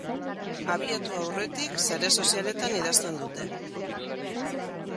Abiatu aurretik sare sozialetan idazten dute.